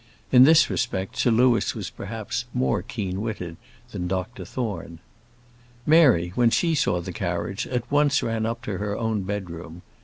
In this respect Sir Louis was perhaps more keen witted than Dr Thorne. Mary, when she saw the carriage, at once ran up to her own bedroom.